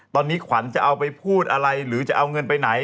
ตอนนี้ขวัญจะเอาไปพูดอะไรหรือจะเอาเงินไปไหน